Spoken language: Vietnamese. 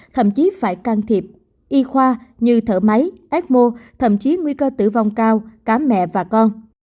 thậm chí phải can thiệp y khoa như thở máy ếc mô thậm chí nguy cơ tử vong cao cả mẹ và con